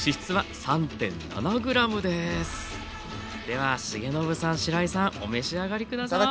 では重信さんしらいさんお召し上がり下さい。